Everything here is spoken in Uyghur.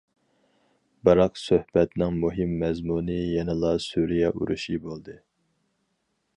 بىراق سۆھبەتنىڭ مۇھىم مەزمۇنى يەنىلا سۈرىيە ئۇرۇشى بولدى.